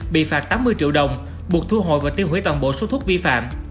bị phạt tám mươi triệu đồng buộc thu hồi và tiêu hủy toàn bộ số thuốc vi phạm